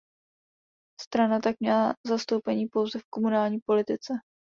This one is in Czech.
Strana tak měla zastoupení pouze v komunální politice.